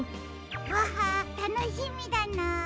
わたのしみだな。